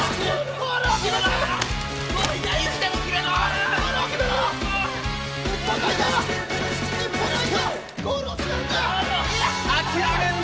ゴールを決めるんだ！